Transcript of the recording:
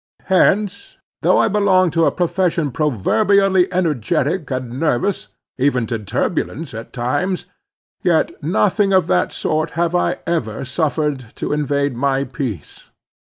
Hence, though I belong to a profession proverbially energetic and nervous, even to turbulence, at times, yet nothing of that sort have I ever suffered to invade my peace.